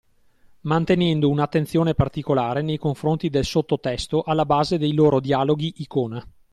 Mantenendo un’attenzione particolare nei confronti del sottotesto alla base dei loro dialoghi-icona.